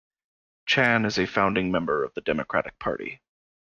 Chan is a founding member of the Democratic Party.